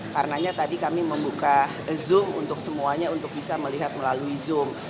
karenanya tadi kami membuka zoom untuk semuanya untuk bisa melihat melalui zoom